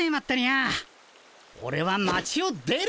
オレは町を出る。